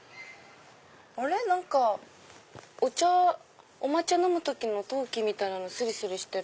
あれ⁉お抹茶飲む時の陶器みたいなのすりすりしてる。